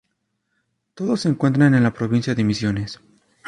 Todos se encuentran en la provincia de Misiones.